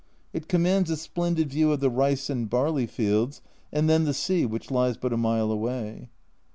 It commands a splendid view of the rice and barley fields, and then the sea, which lies but a mile away.